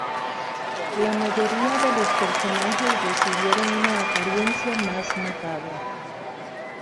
La mayoría de los personajes recibieron una apariencia más macabra.